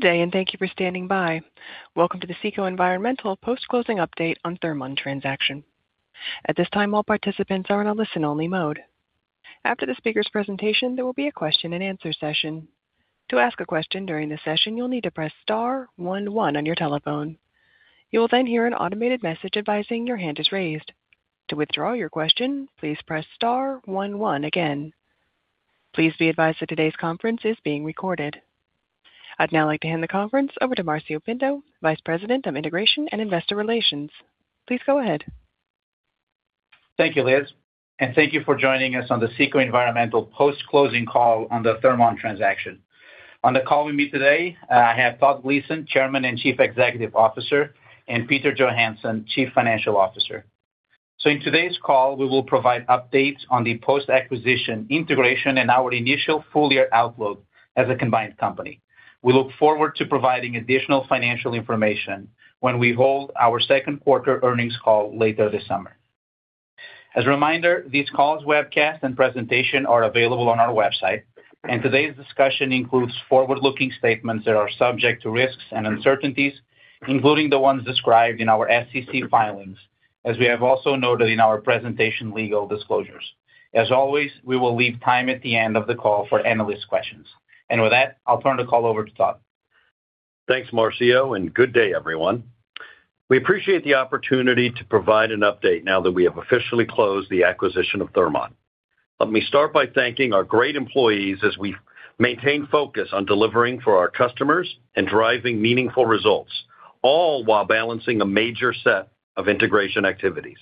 Good day. Thank you for standing by. Welcome to the CECO Environmental post-closing update on Thermon transaction. At this time, all participants are in a listen-only mode. After the speaker's presentation, there will be a question-and-answer session. To ask a question during the session, you will need to press star one one on your telephone. You will hear an automated message advising your hand is raised. To withdraw your question, please press star one one again. Please be advised that today's conference is being recorded. I would now like to hand the conference over to Marcio Pinto, Vice President of Integration and Investor Relations. Please go ahead. Thank you, Liz. Thank you for joining us on the CECO Environmental post-closing call on the Thermon transaction. On the call with me today, I have Todd Gleason, Chairman and Chief Executive Officer, and Peter Johansson, Chief Financial Officer. In today's call, we will provide updates on the post-acquisition integration and our initial full-year outlook as a combined company. We look forward to providing additional financial information when we hold our second quarter earnings call later this summer. As a reminder, this call's webcast and presentation are available on our website. Today's discussion includes forward-looking statements that are subject to risks and uncertainties, including the ones described in our SEC filings, as we have also noted in our presentation legal disclosures. As always, we will leave time at the end of the call for analyst questions. With that, I will turn the call over to Todd. Thanks, Marcio. Good day, everyone. We appreciate the opportunity to provide an update now that we have officially closed the acquisition of Thermon. Let me start by thanking our great employees as we maintain focus on delivering for our customers and driving meaningful results, all while balancing a major set of integration activities.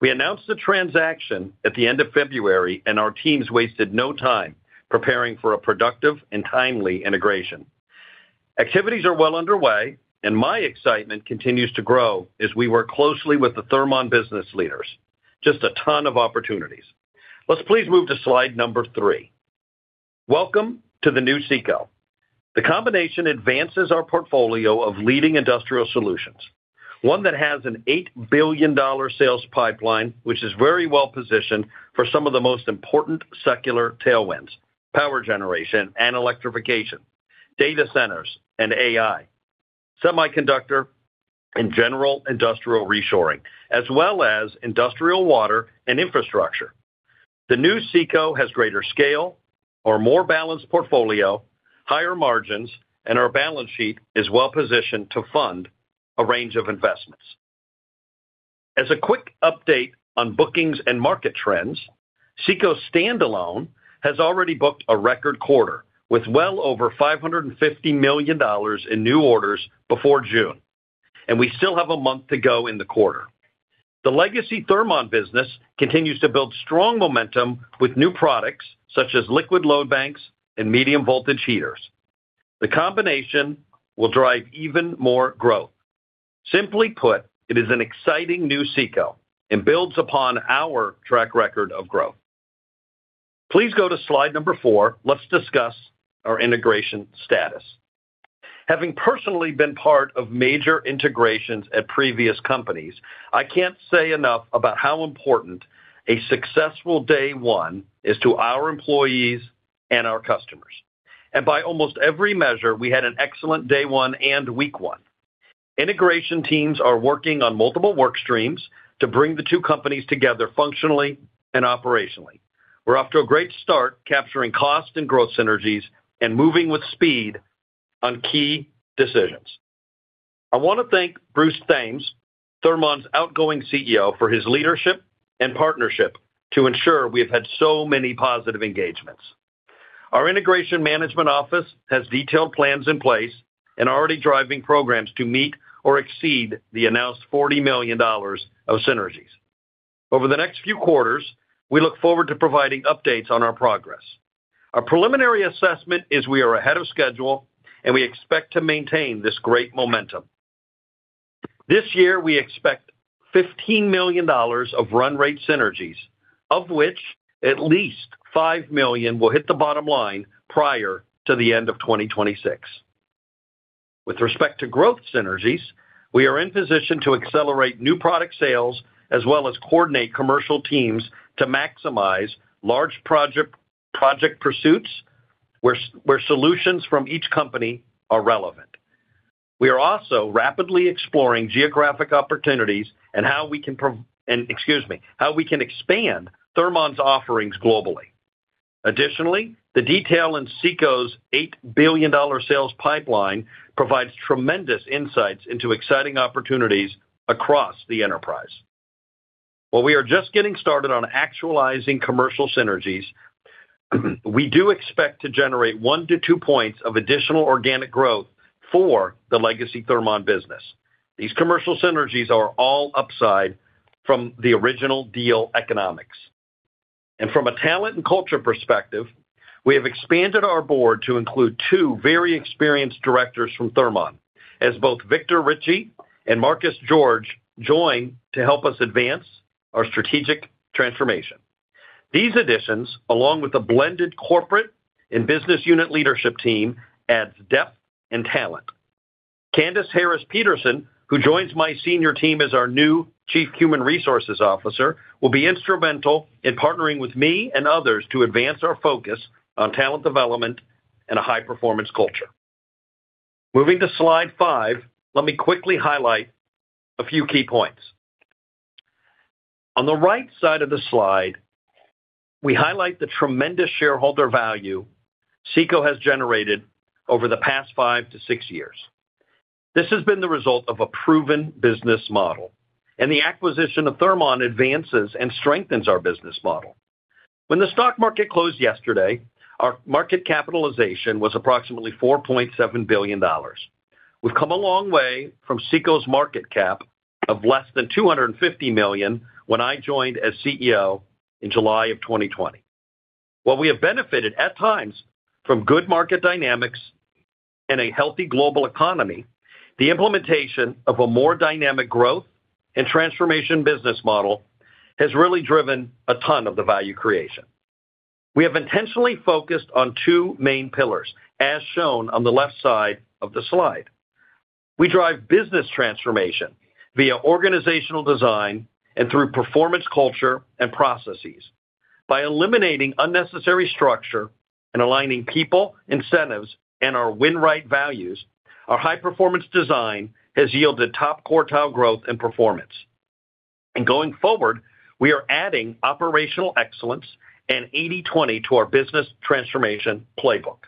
We announced the transaction at the end of February. Our teams wasted no time preparing for a productive and timely integration. Activities are well underway. My excitement continues to grow as we work closely with the Thermon business leaders. Just a ton of opportunities. Let's please move to slide number three. Welcome to the new CECO. The combination advances our portfolio of leading industrial solutions, one that has an $8 billion sales pipeline, which is very well-positioned for some of the most important secular tailwinds: power generation and electrification, data centers and AI, semiconductor and general industrial reshoring, as well as industrial water and infrastructure. The new CECO has greater scale or more balanced portfolio, higher margins. Our balance sheet is well-positioned to fund a range of investments. As a quick update on bookings and market trends, CECO standalone has already booked a record quarter with well over $550 million in new orders before June. We still have a month to go in the quarter. The legacy Thermon business continues to build strong momentum with new products such as liquid load banks and medium voltage heaters. The combination will drive even more growth. Simply put, it is an exciting new CECO and builds upon our track record of growth. Please go to slide number four. Let's discuss our integration status. Having personally been part of major integrations at previous companies, I can't say enough about how important a successful day one is to our employees and our customers. By almost every measure, we had an excellent day one and week one. Integration teams are working on multiple work streams to bring the two companies together functionally and operationally. We're off to a great start capturing cost and growth synergies and moving with speed on key decisions. I want to thank Bruce Thames, Thermon's outgoing CEO, for his leadership and partnership to ensure we have had so many positive engagements. Our integration management office has detailed plans in place and already driving programs to meet or exceed the announced $40 million of synergies. Over the next few quarters, we look forward to providing updates on our progress. Our preliminary assessment is we are ahead of schedule, and we expect to maintain this great momentum. This year, we expect $15 million of run rate synergies, of which at least $5 million will hit the bottom line prior to the end of 2026. With respect to growth synergies, we are in position to accelerate new product sales as well as coordinate commercial teams to maximize large project pursuits where solutions from each company are relevant. We are also rapidly exploring geographic opportunities and how we can expand Thermon's offerings globally. Additionally, the detail in CECO's $8 billion sales pipeline provides tremendous insights into exciting opportunities across the enterprise. While we are just getting started on actualizing commercial synergies, we do expect to generate one to two points of additional organic growth for the legacy Thermon business. These commercial synergies are all upside from the original deal economics. From a talent and culture perspective, we have expanded our Board to include two very experienced directors from Thermon, as both Victor Richey and Marcus George join to help us advance our strategic transformation. These additions, along with the blended corporate and business unit leadership team, adds depth and talent. Candace Harris-Peterson, who joins my senior team as our new Chief Human Resources Officer, will be instrumental in partnering with me and others to advance our focus on talent development and a high-performance culture. Moving to slide five, let me quickly highlight a few key points. On the right side of the slide, we highlight the tremendous shareholder value CECO has generated over the past five to six years. This has been the result of a proven business model. The acquisition of Thermon advances and strengthens our business model. When the stock market closed yesterday, our market capitalization was approximately $4.7 billion. We've come a long way from CECO's market cap of less than $250 million when I joined as CEO in July of 2020. While we have benefited at times from good market dynamics and a healthy global economy, the implementation of a more dynamic growth and transformation business model has really driven a ton of the value creation. We have intentionally focused on two main pillars, as shown on the left side of the slide. We drive business transformation via organizational design and through performance culture and processes. By eliminating unnecessary structure and aligning people, incentives, and our Win Right values, our high-performance design has yielded top-quartile growth and performance. Going forward, we are adding operational excellence and 80/20 to our business transformation playbook.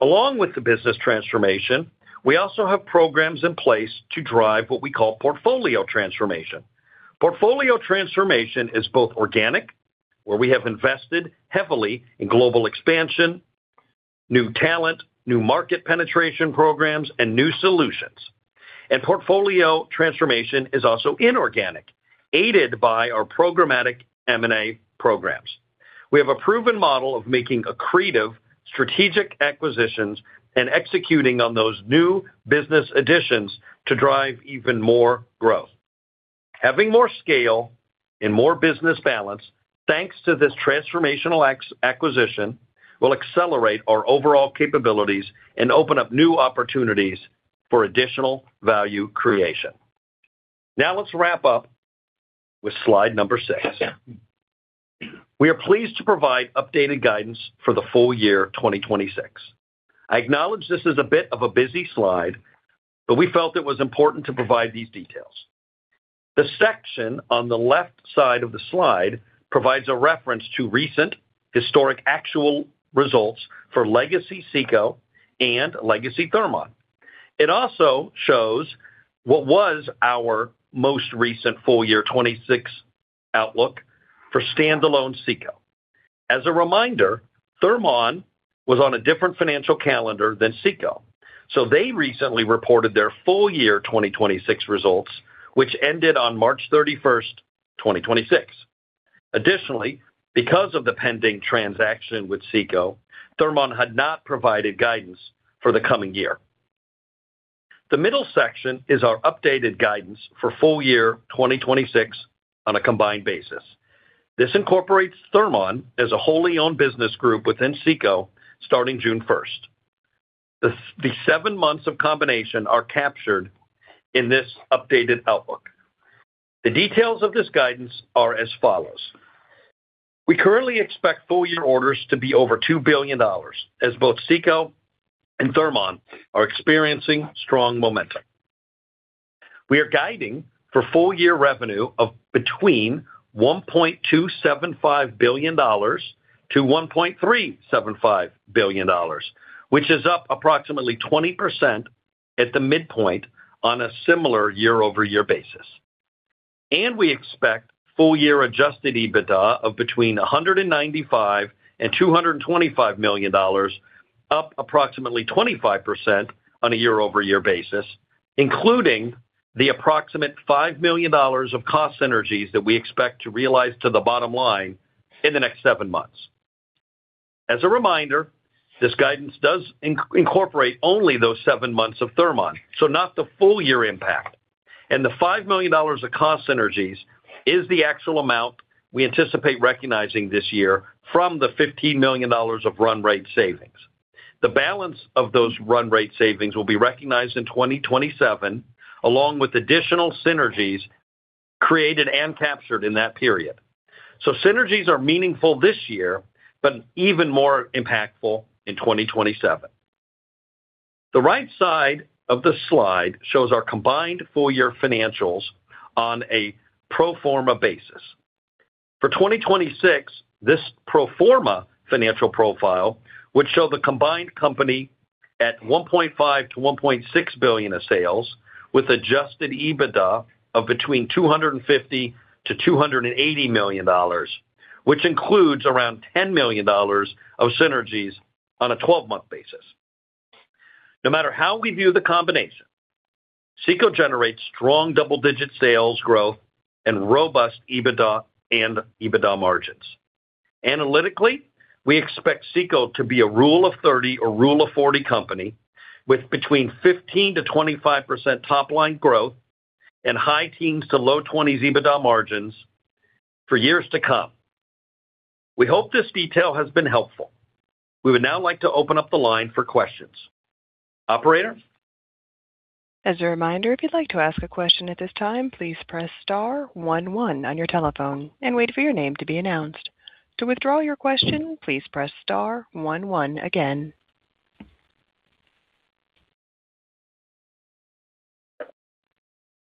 Along with the business transformation, we also have programs in place to drive what we call portfolio transformation. Portfolio transformation is both organic, where we have invested heavily in global expansion, new talent, new market penetration programs, and new solutions. Portfolio transformation is also inorganic, aided by our programmatic M&A programs. We have a proven model of making accretive strategic acquisitions and executing on those new business additions to drive even more growth. Having more scale and more business balance, thanks to this transformational acquisition, will accelerate our overall capabilities and open up new opportunities for additional value creation. Now let's wrap up with slide number six. We are pleased to provide updated guidance for the full year of 2026. I acknowledge this is a bit of a busy slide, but we felt it was important to provide these details. The section on the left side of the slide provides a reference to recent historic actual results for legacy CECO and legacy Thermon. It also shows what was our most recent full year 2026 outlook for standalone CECO. As a reminder, Thermon was on a different financial calendar than CECO, so they recently reported their full year 2026 results, which ended on March 31st, 2026. Additionally, because of the pending transaction with CECO, Thermon had not provided guidance for the coming year. The middle section is our updated guidance for full year 2026 on a combined basis. This incorporates Thermon as a wholly owned business group within CECO starting June 1st. The seven months of combination are captured in this updated outlook. The details of this guidance are as follows. We currently expect full year orders to be over $2 billion, as both CECO and Thermon are experiencing strong momentum. We are guiding for full year revenue of between $1.275 billion-$1.375 billion, which is up approximately 20% at the midpoint on a similar year-over-year basis. We expect full year adjusted EBITDA of between $195 million and $225 million, up approximately 25% on a year-over-year basis, including the approximate $5 million of cost synergies that we expect to realize to the bottom line in the next seven months. As a reminder, this guidance does incorporate only those seven months of Thermon, so not the full year impact. The $5 million of cost synergies is the actual amount we anticipate recognizing this year from the $15 million of run rate savings. The balance of those run rate savings will be recognized in 2027, along with additional synergies created and captured in that period. Synergies are meaningful this year, but even more impactful in 2027. The right side of the slide shows our combined full year financials on a pro forma basis. For 2026, this pro forma financial profile would show the combined company at $1.5 billion-$1.6 billion of sales, with adjusted EBITDA of between $250 million-$280 million, which includes around $10 million of synergies on a 12-month basis. No matter how we view the combination, CECO generates strong double-digit sales growth and robust EBITDA and EBITDA margins. Analytically, we expect CECO to be a Rule of 30 or Rule of 40 company with between 15%-25% top-line growth and high teens to low 20s EBITDA margins for years to come. We hope this detail has been helpful. We would now like to open up the line for questions. Operator? As a reminder, if you'd like to ask a question at this time, please press star one one on your telephone and wait for your name to be announced. To withdraw your question, please press star one one again.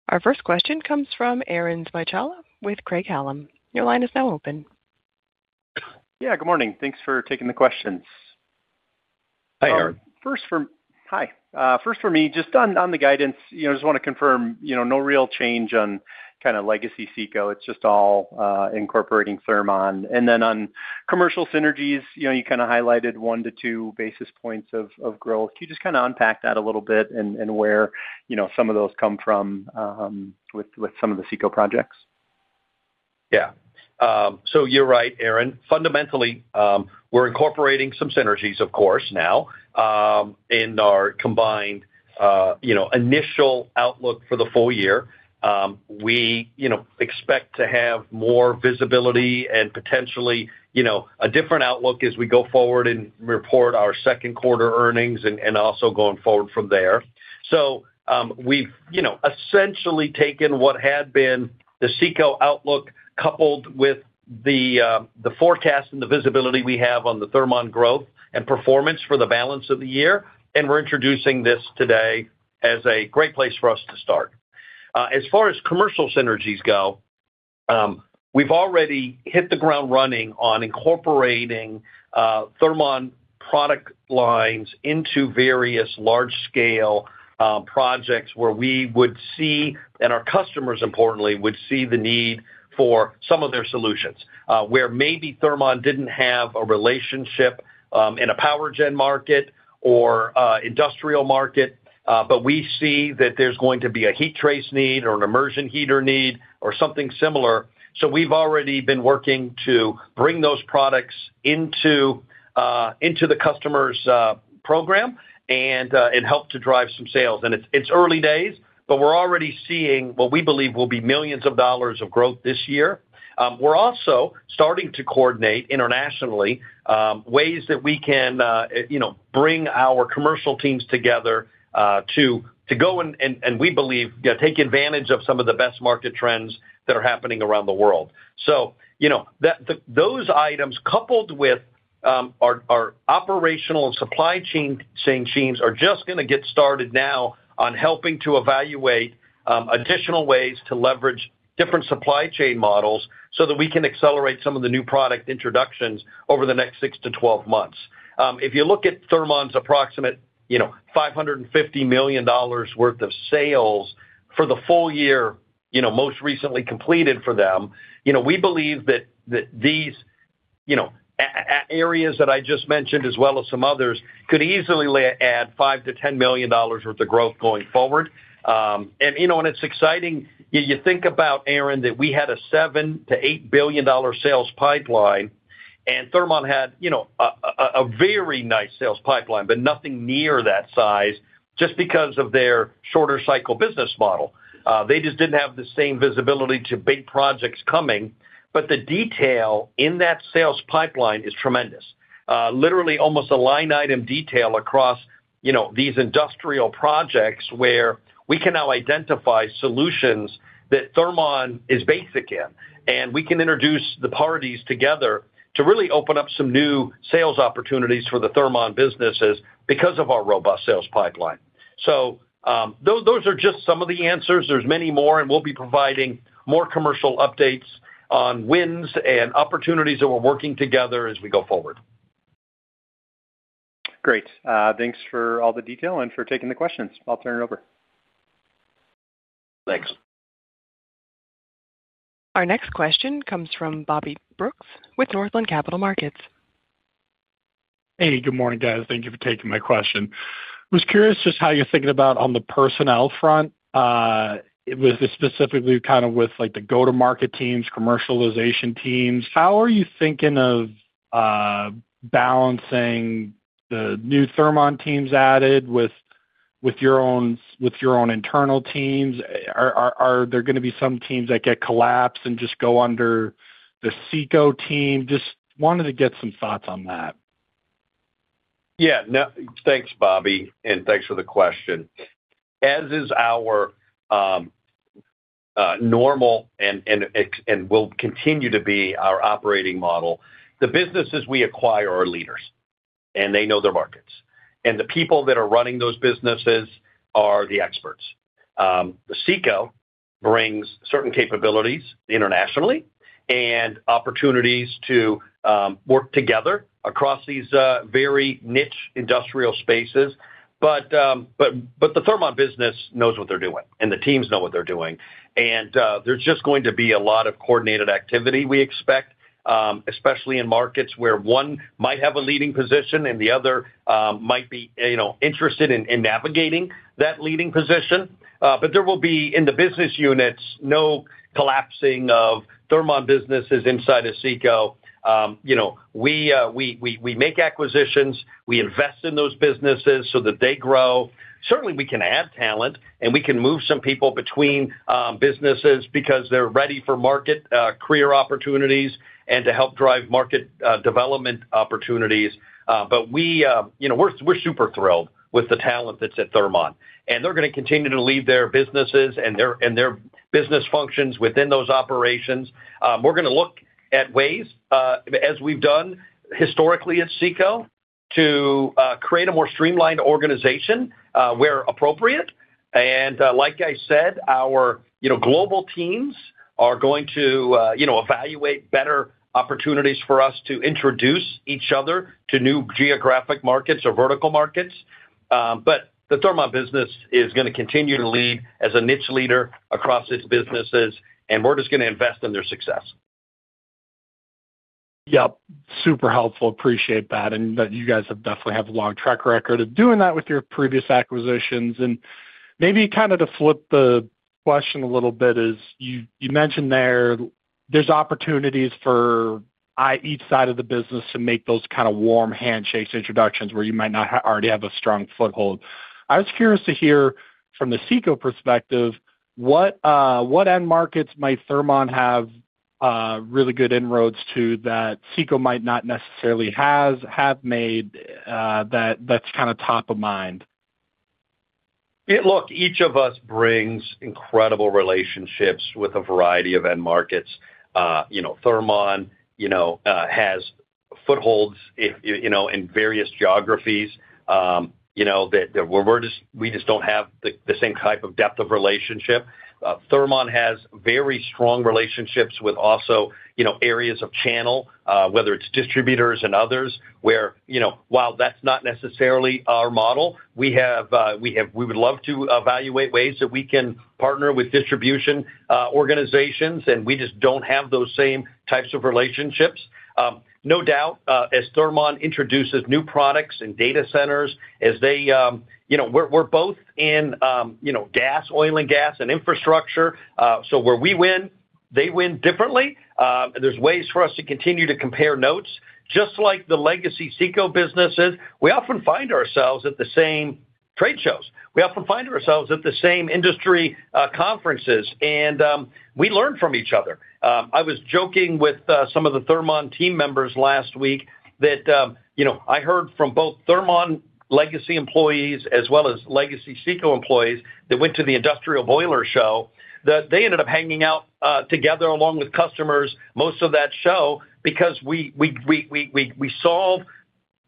Our first question comes from Aaron Spychalla with Craig-Hallum. Your line is now open. Yeah, good morning. Thanks for taking the questions. Hi, Aaron. Hi. First for me, just on the guidance, I just want to confirm, no real change on kind of legacy CECO. It's just all incorporating Thermon. On commercial synergies, you kind of highlighted 1-2 basis points of growth. Can you just kind of unpack that a little bit and where some of those come from with some of the CECO projects? Yeah. You're right, Aaron. Fundamentally, we're incorporating some synergies, of course, now, in our combined initial outlook for the full year. We expect to have more visibility and potentially, a different outlook as we go forward and report our second quarter earnings and also going forward from there. We've essentially taken what had been the CECO outlook coupled with the forecast and the visibility we have on the Thermon growth and performance for the balance of the year, and we're introducing this today as a great place for us to start. As far as commercial synergies go, we've already hit the ground running on incorporating Thermon product lines into various large-scale projects where we would see, and our customers importantly, would see the need for some of their solutions. Where maybe Thermon didn't have a relationship in a power gen market or industrial market, but we see that there's going to be a heat trace need or an immersion heater need or something similar. We've already been working to bring those products into the customer's program and help to drive some sales. It's early days, but we're already seeing what we believe will be millions of dollars of growth this year. We're also starting to coordinate internationally, ways that we can bring our commercial teams together to go and we believe, take advantage of some of the best market trends that are happening around the world. Those items, coupled with our operational and supply chain teams are just going to get started now on helping to evaluate additional ways to leverage different supply chain models so that we can accelerate some of the new product introductions over the next six to 12 months. If you look at Thermon's approximate $550 million worth of sales for the full year, most recently completed for them, we believe that these areas that I just mentioned, as well as some others, could easily add $5 million-$10 million worth of growth going forward. It's exciting. You think about, Aaron, that we had a $7 billion-$8 billion sales pipeline, and Thermon had a very nice sales pipeline, but nothing near that size just because of their shorter cycle business model. They just didn't have the same visibility to big projects coming. The detail in that sales pipeline is tremendous. Literally almost a line item detail across these industrial projects where we can now identify solutions that Thermon is basic in, and we can introduce the parties together to really open up some new sales opportunities for the Thermon businesses because of our robust sales pipeline. Those are just some of the answers. There's many more, and we'll be providing more commercial updates on wins and opportunities that we're working together as we go forward. Great. Thanks for all the detail and for taking the questions. I'll turn it over. Thanks. Our next question comes from Bobby Brooks with Northland Capital Markets. Hey, good morning, guys. Thank you for taking my question. Was curious just how you're thinking about on the personnel front, with specifically kind of with the go-to-market teams, commercialization teams. How are you thinking of balancing the new Thermon teams added with your own internal teams? Are there going to be some teams that get collapsed and just go under the CECO team? Just wanted to get some thoughts on that. Thanks, Bobby, and thanks for the question. As is our normal and will continue to be our operating model, the businesses we acquire are leaders, and they know their markets. The people that are running those businesses are the experts. CECO brings certain capabilities internationally and opportunities to work together across these very niche industrial spaces. The Thermon business knows what they're doing, and the teams know what they're doing. There's just going to be a lot of coordinated activity we expect, especially in markets where one might have a leading position and the other might be interested in navigating that leading position. There will be, in the business units, no collapsing of Thermon businesses inside of CECO. We make acquisitions, we invest in those businesses so that they grow. Certainly, we can add talent, and we can move some people between businesses because they're ready for market career opportunities and to help drive market development opportunities. We're super thrilled with the talent that's at Thermon, and they're going to continue to lead their businesses and their business functions within those operations. We're going to look at ways, as we've done historically at CECO, to create a more streamlined organization where appropriate. Like I said, our global teams are going to evaluate better opportunities for us to introduce each other to new geographic markets or vertical markets. The Thermon business is going to continue to lead as a niche leader across its businesses, and we're just going to invest in their success. Yep. Super helpful. Appreciate that. You guys definitely have a long track record of doing that with your previous acquisitions. Maybe to flip the question a little bit is, you mentioned there's opportunities for each side of the business to make those kind of warm handshake introductions where you might not already have a strong foothold. I was curious to hear from the CECO perspective, what end markets might Thermon have really good inroads to that CECO might not necessarily have made that's top of mind? Look, each of us brings incredible relationships with a variety of end markets. Thermon has footholds in various geographies that we just don't have the same type of depth of relationship. Thermon has very strong relationships with also areas of channel, whether it's distributors and others, where while that's not necessarily our model, we would love to evaluate ways that we can partner with distribution organizations, and we just don't have those same types of relationships. No doubt, as Thermon introduces new products and data centers, we're both in oil and gas and infrastructure. Where we win, they win differently. There's ways for us to continue to compare notes. Just like the legacy CECO businesses, we often find ourselves at the same trade shows. We often find ourselves at the same industry conferences, and we learn from each other. I was joking with some of the Thermon team members last week that I heard from both Thermon legacy employees as well as legacy CECO employees that went to the industrial boiler show, that they ended up hanging out together along with customers most of that show because we solve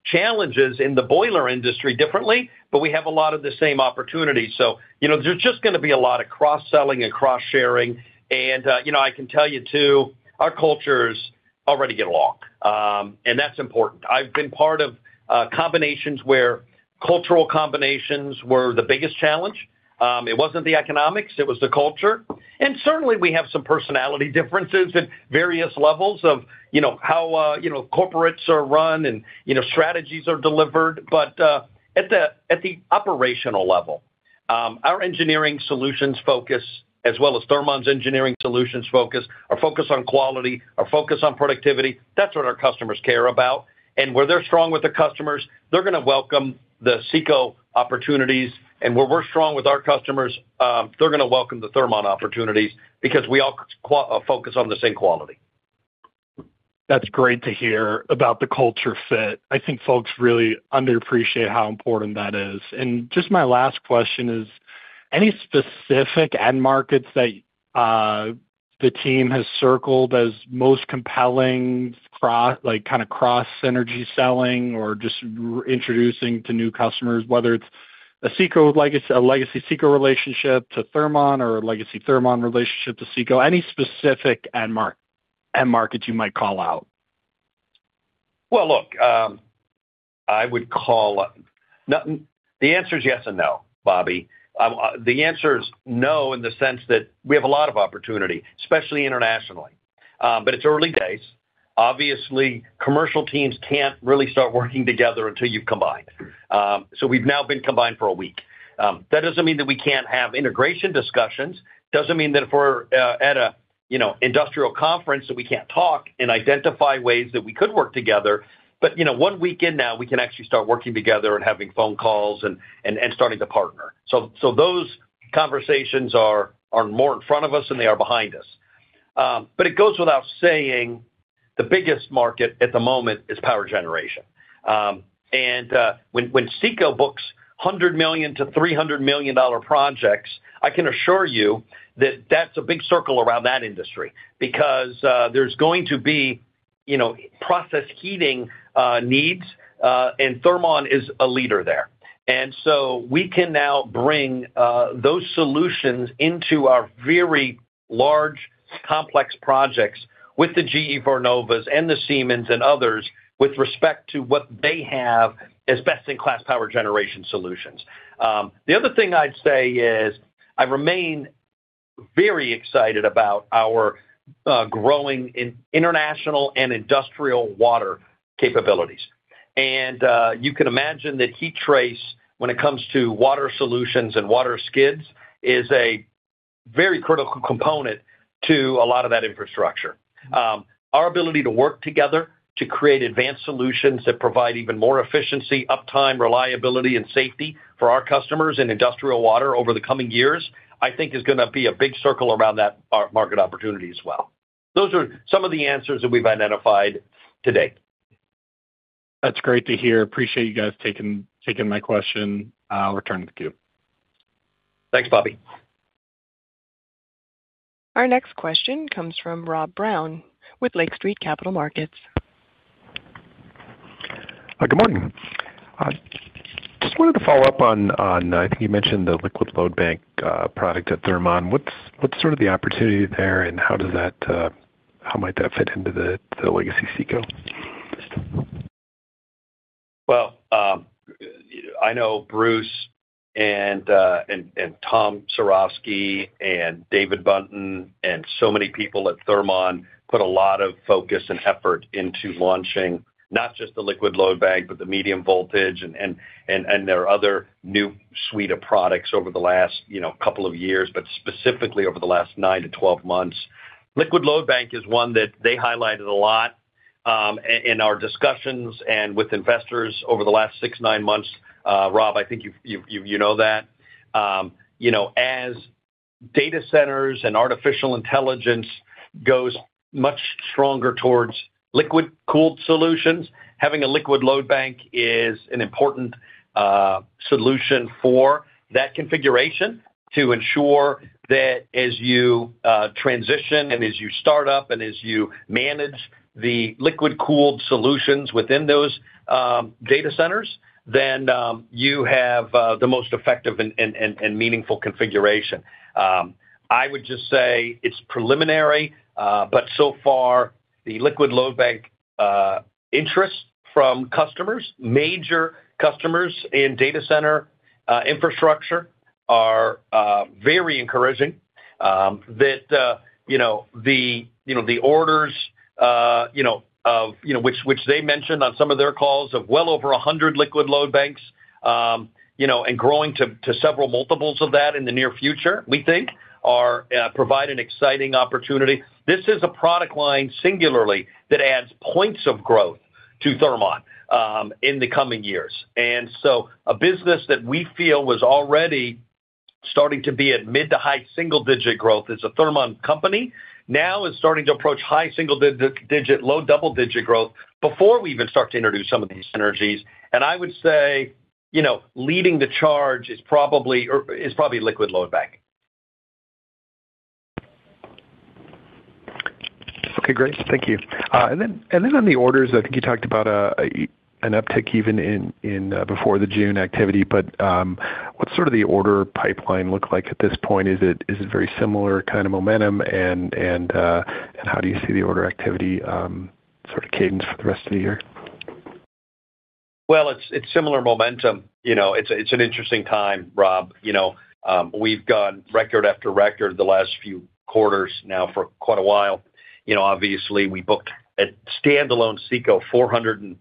challenges in the boiler industry differently, but we have a lot of the same opportunities. There's just going to be a lot of cross-selling and cross-sharing. I can tell you, too, our cultures already get along. That's important. I've been part of combinations where cultural combinations were the biggest challenge. It wasn't the economics, it was the culture. Certainly, we have some personality differences at various levels of how corporates are run and strategies are delivered. At the operational level, our engineering solutions focus as well as Thermon's engineering solutions focus, our focus on quality, our focus on productivity, that's what our customers care about. And where they're strong with their customers, they're going to welcome the CECO opportunities, and where we're strong with our customers, they're going to welcome the Thermon opportunities because we all focus on the same quality. That's great to hear about the culture fit. I think folks really underappreciate how important that is. Just my last question is, any specific end markets that the team has circled as most compelling, like cross-synergy selling or just introducing to new customers, whether it's a legacy CECO relationship to Thermon or a legacy Thermon relationship to CECO? Any specific end markets you might call out? Well, look, the answer is yes and no, Bobby. The answer is no in the sense that we have a lot of opportunity, especially internationally. It's early days. Obviously, commercial teams can't really start working together until you've combined. We've now been combined for a week. That doesn't mean that we can't have integration discussions, doesn't mean that if we're at an industrial conference that we can't talk and identify ways that we could work together. One week in now, we can actually start working together and having phone calls and starting to partner. Those conversations are more in front of us than they are behind us. It goes without saying the biggest market at the moment is power generation. When CECO books $100 million-$300 million projects, I can assure you that that's a big circle around that industry because there's going to be process heating needs, and Thermon is a leader there. We can now bring those solutions into our very large, complex projects with the GE Vernova and the Siemens and others with respect to what they have as best-in-class power generation solutions. The other thing I'd say is I remain very excited about our growing international and industrial water capabilities. You can imagine that heat trace, when it comes to water solutions and water skids, is a very critical component to a lot of that infrastructure. Our ability to work together to create advanced solutions that provide even more efficiency, uptime, reliability, and safety for our customers in industrial water over the coming years, I think is going to be a big circle around that market opportunity as well. Those are some of the answers that we've identified today. That's great to hear. Appreciate you guys taking my question. I'll return the queue. Thanks, Bobby. Our next question comes from Rob Brown with Lake Street Capital Markets. Good morning. Just wanted to follow up on, I think you mentioned the liquid load bank product at Thermon. What's the opportunity there, and how might that fit into the legacy CECO? Well, I know Bruce and Tom Cerovski and David Buntin and so many people at Thermon put a lot of focus and effort into launching not just the liquid load bank, but the medium voltage and their other new suite of products over the last couple of years, but specifically over the last nine to 12 months. Liquid load bank is one that they highlighted a lot in our discussions and with investors over the last six, nine months. Rob, I think you know that. As data centers and artificial intelligence goes much stronger towards liquid-cooled solutions, having a liquid load bank is an important solution for that configuration to ensure that as you transition and as you start up and as you manage the liquid-cooled solutions within those data centers, you have the most effective and meaningful configuration. I would just say it's preliminary, but so far, the liquid load bank interest from customers, major customers in data center infrastructure are very encouraging. That the orders which they mentioned on some of their calls of well over 100 liquid load banks, and growing to several multiples of that in the near future, we think, provide an exciting opportunity. This is a product line singularly that adds points of growth to Thermon in the coming years. A business that we feel was already starting to be at mid to high single-digit growth as a Thermon company, now is starting to approach high single-digit, low double-digit growth before we even start to introduce some of these synergies. I would say, leading the charge is probably liquid load banking. Okay, great. Thank you. On the orders, I think you talked about an uptick even before the June activity, what's the order pipeline look like at this point? Is it very similar kind of momentum, how do you see the order activity sort of cadence for the rest of the year? Well, it's similar momentum. It's an interesting time, Rob. We've gone record after record the last few quarters now for quite a while. Obviously, we booked at standalone CECO 400 and,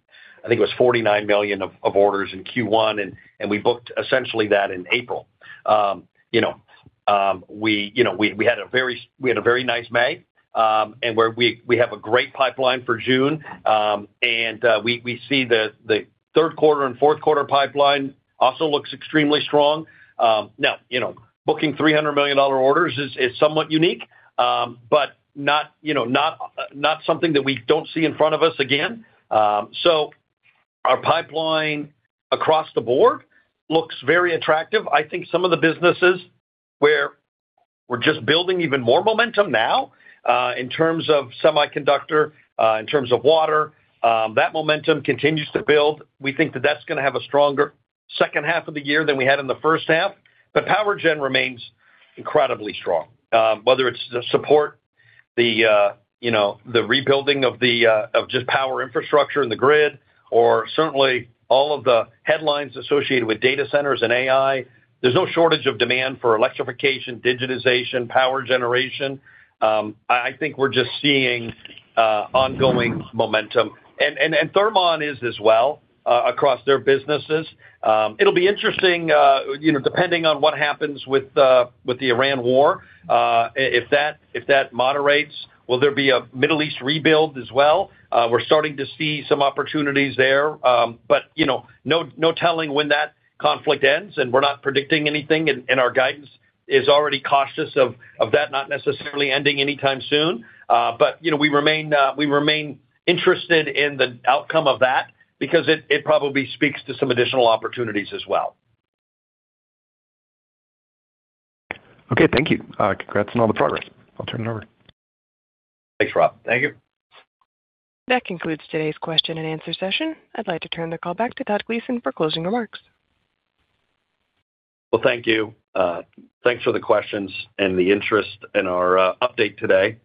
I think it was $49 million of orders in Q1, we booked essentially that in April. We had a very nice May, we have a great pipeline for June. We see the third quarter and fourth quarter pipeline also looks extremely strong. Now, booking $300 million orders is somewhat unique, not something that we don't see in front of us again. Our pipeline across the board looks very attractive. I think some of the businesses where we're just building even more momentum now, in terms of semiconductor, in terms of water, that momentum continues to build. We think that that's going to have a stronger second half of the year than we had in the first half. Power gen remains incredibly strong. Whether it's the support, the rebuilding of just power infrastructure and the grid, or certainly all of the headlines associated with data centers and AI, there's no shortage of demand for electrification, digitization, power generation. I think we're just seeing ongoing momentum. Thermon is as well across their businesses. It'll be interesting depending on what happens with the Iran war. If that moderates, will there be a Middle East rebuild as well? We're starting to see some opportunities there. No telling when that conflict ends, we're not predicting anything, our guidance is already cautious of that not necessarily ending anytime soon. We remain interested in the outcome of that because it probably speaks to some additional opportunities as well. Okay. Thank you. Congrats on all the progress. I'll turn it over. Thanks, Rob. Thank you. That concludes today's question and answer session. I'd like to turn the call back to Todd Gleason for closing remarks. Well, thank you. Thanks for the questions and the interest in our update today.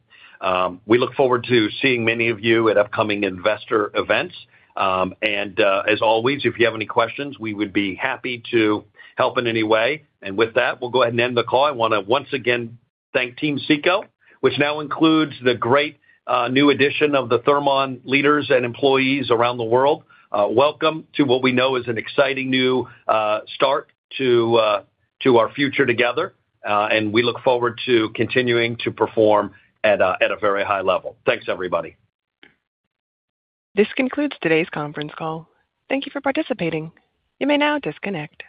We look forward to seeing many of you at upcoming investor events. As always, if you have any questions, we would be happy to help in any way. With that, we'll go ahead and end the call. I want to once again thank Team CECO, which now includes the great new addition of the Thermon leaders and employees around the world. Welcome to what we know is an exciting new start to our future together. We look forward to continuing to perform at a very high level. Thanks, everybody. This concludes today's conference call. Thank you for participating. You may now disconnect.